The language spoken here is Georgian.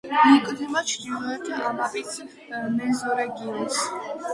მიეკუთვნება ჩრდილოეთ ამაპის მეზორეგიონს.